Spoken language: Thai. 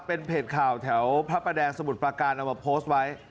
เป็นเพจข่าวแถวพระประแดงสมุทรประการเอามาโพสต์ไว้